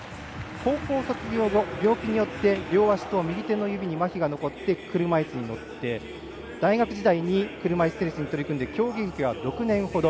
高校卒業後病気によって両足にまひが残って車いすに乗って大学時代に車いすテニスに取り組んで、競技歴は６年ほど。